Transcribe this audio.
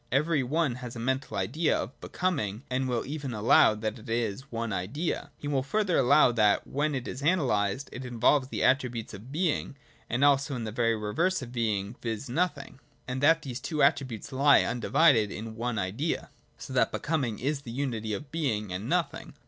Every one has a mental idea of Becoming, and will i66 THE DOCTRINE OF BEING. [88. even allow that it is one idea : he will further allow that, when it is analysed, it involves the attribute of Being, and also what is the very reverse of Being, viz. Nothing : and that these two attributes lie undivided in the one idea : so that Becoming is the unity of Being and Nothing.